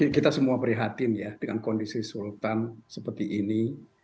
kita semua prihatin ya dengan kondisi sultan seperti ini